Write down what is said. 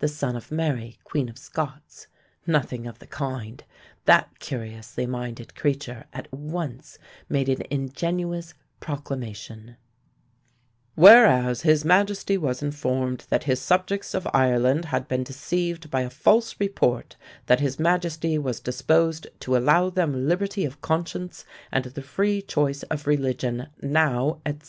the son of Mary, Queen of Scots. Nothing of the kind. That curiously minded creature at once made an ingenuous proclamation: "Whereas his Majesty was informed that his subjects of Ireland had been deceived by a false report that his Majesty was disposed to allow them liberty of conscience and the free choice of religion, now, etc."